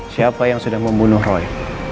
siapa yang sudah membunuh roy